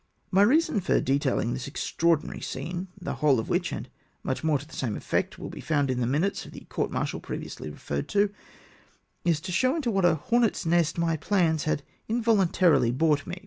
My reason for detailing this extraordinary scene, the whole of which, and much more to the same effect, will be found in the minutes of the court martial previously referred to — is to show into what a hornets' nest my plans had involuntarily brought me.